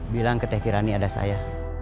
bilang ke teh tirani ada saya